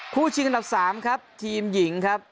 ชิงอันดับ๓ครับทีมหญิงครับ